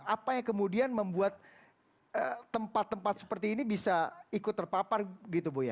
apa yang kemudian membuat tempat tempat seperti ini bisa ikut terpapar gitu bu ya